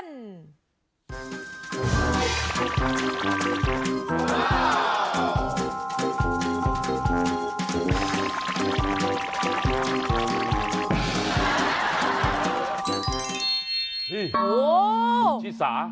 นี่ชิสา